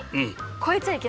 越えちゃいけない。